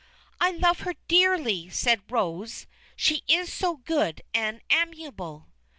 "I love her dearly!" said Rose; "she is so good and amiable."